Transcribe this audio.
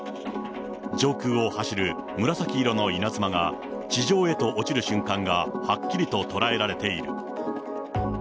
上空を走る紫色の稲妻が、地上へと落ちる瞬間がはっきりと捉えられている。